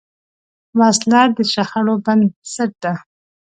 وسله د شخړو بنسټ ده